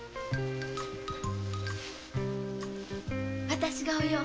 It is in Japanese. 私がお葉